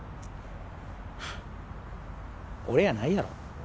フッ俺やないやろ。